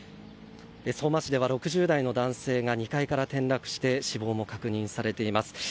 相馬市では６０代の男性が２階から転落して死亡も確認されています。